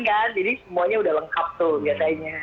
jadi semuanya udah lengkap tuh biasanya